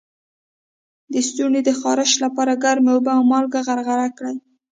د ستوني د خارش لپاره ګرمې اوبه او مالګه غرغره کړئ